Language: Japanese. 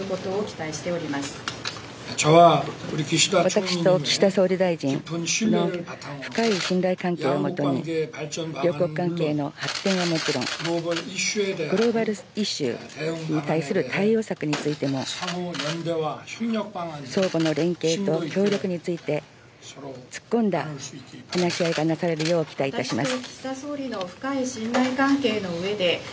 私と岸田総理大臣の深い信頼関係をもとに、両国関係の発展はもちろん、グローバルイシューに対する対応策についても、相互の連携と協力について、突っ込んだ話し合いがなされるよう期待いたします。